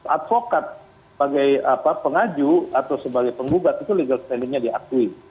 advokat sebagai pengaju atau sebagai penggugat itu legal standingnya diakui